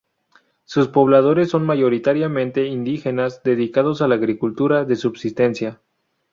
Sus pobladores son mayoritariamente indígenas, dedicados a la agricultura de subsistencia.